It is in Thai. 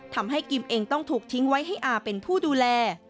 ทำให้กิมเองต้องถูกทิ้งไว้ให้อาเป็นผู้ดูแล